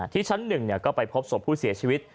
ที่ชั้น๑ก็ไปพบศพผู้เสียชีวิต